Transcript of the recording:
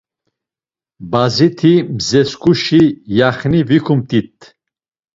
Baziti mzesǩuşi yaxni vikumt̆it.